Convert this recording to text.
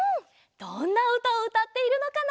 どんなうたをうたっているのかな？